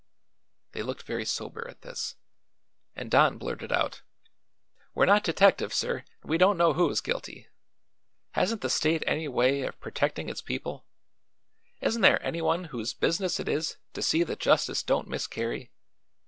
They looked very sober at this, and Don blurted out: "We're not detectives, sir, and we don't know who is guilty. Hasn't the state any way of protecting its people? Isn't there anyone whose business it is to see that justice don't miscarry?